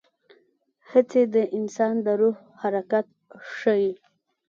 هڅې د انسان د روح حرکت ښيي.